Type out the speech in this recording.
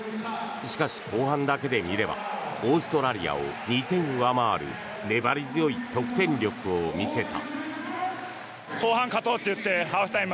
しかし、後半だけで見ればオーストラリアを２点上回る粘り強い得点力を見せた。